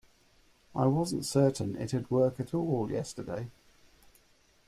I wasn't certain it'd work at all yesterday.